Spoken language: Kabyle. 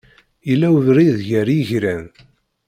Yella ubrid gar yigran.